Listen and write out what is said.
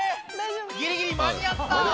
ギリギリ間に合った！